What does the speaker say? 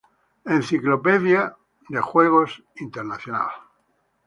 Encyclopedia of International Games.